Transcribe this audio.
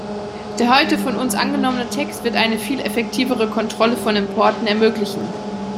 Der heute von uns angenommene Text wird eine viel effektivere Kontrolle von Importen ermöglichen.